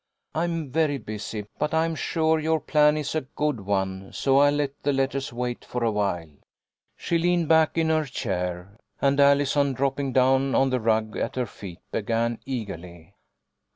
I'm very busy, but I am sure your plan is a good one, so I'll let the letters wait for awhile." She leaned back in her chair, and Allison, dropping down on the rug at her feet, began eagerly.